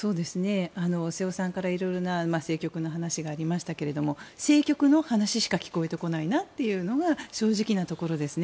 瀬尾さんから色々な政局の話がありましたけれども政局の話しか聞こえてこないなというのが正直なところですね。